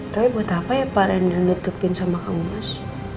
tapi buat apa ya pak rena nutupin sama kamu mas